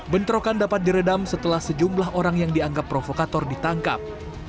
bentrokan dapat diredam setelah sejumlah orang yang dianggap provokator ditangkap